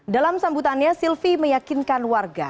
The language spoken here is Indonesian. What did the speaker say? dalam sambutannya silvi meyakinkan warga